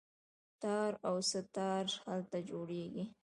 تار او سه تار هلته جوړیږي.